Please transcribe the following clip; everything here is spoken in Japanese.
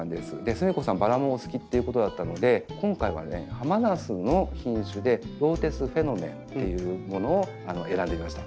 すみこさんバラもお好きっていうことだったので今回はねハマナスの品種でローテスフェノメンというものを選んでみました。